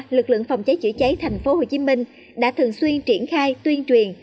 lực lượng phòng cháy chữa cháy tp hcm đã thường xuyên triển khai tuyên truyền